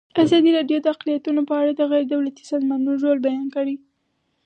ازادي راډیو د اقلیتونه په اړه د غیر دولتي سازمانونو رول بیان کړی.